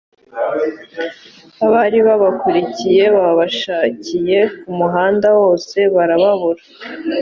abari babakurikiye, babashakiye ku muhanda wose, barababura.